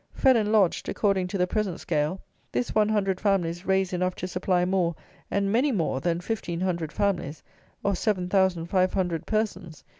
Fed and lodged according to the present scale, this one hundred families raise enough to supply more, and many more, than fifteen hundred families; or seven thousand five hundred persons!